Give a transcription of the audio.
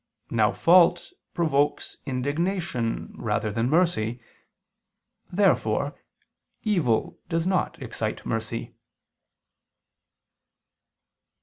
Now fault provokes indignation rather than mercy. Therefore evil does not excite mercy.